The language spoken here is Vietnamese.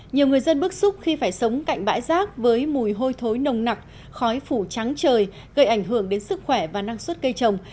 nhiều người dân bức xúc khi phải sống cạnh bãi rác với mùi hôi thối nồng nặc khói phủ trắng trời gây ảnh hưởng đến sức khỏe và năng suất cây trồng